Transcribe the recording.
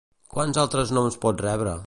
Quins altres noms pot rebre?